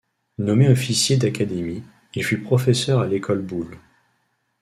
Nommé officier d'Académie, il fut professeur à l'École Boulle.